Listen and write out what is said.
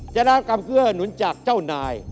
นากรรมเกื้อหนุนจากเจ้านาย